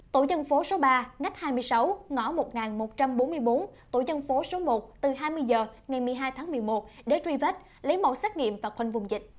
tổ dân phố số ba ngách hai mươi sáu ngõ một nghìn một trăm bốn mươi bốn tổ dân phố số một từ hai mươi h ngày một mươi hai tháng một mươi một để truy vết lấy mẫu xét nghiệm và khoanh vùng dịch